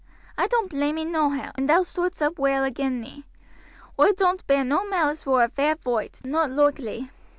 I doan't blame ee nohow, and thou stoodst up well agin me. Oi doan't bear no malice vor a fair foight, not loikely.